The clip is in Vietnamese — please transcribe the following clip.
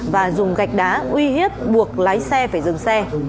và dùng gạch đá uy hiếp buộc lái xe phải dừng xe